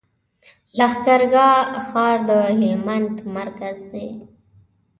لښکر ګاه ښار د هلمند مرکز دی.